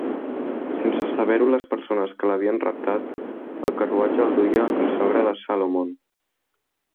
Sense saber-ho les persones que l'havien raptat, el carruatge el duia el sogre de Salomon.